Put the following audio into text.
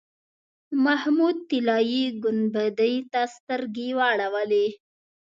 محمود طلایي ګنبدې ته سترګې واړولې.